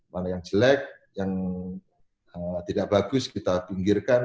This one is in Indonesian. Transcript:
mana yang jelek yang tidak bagus kita pinggirkan